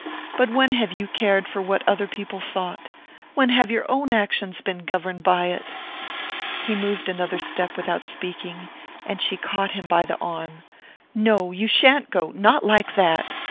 But when have you cared for what other people thought? When have your own actions been governed by it?" He moved another step without speaking, and she caught him by the arm. "No! you sha'n't go not like that!